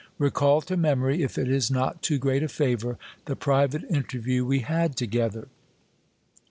Recall to memory, if it is not too great a favour, the private interview we had together.